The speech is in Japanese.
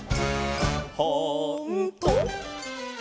「ほんとー？」